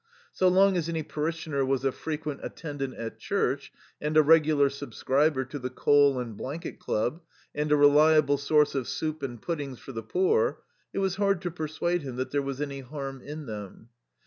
So long as any parishioner was a frequent attendant at church, and a regular subscriber to the coal and blanket club, and a reliable source of soup and puddings for the poor, it was hard to persuade him that there was any harm in them.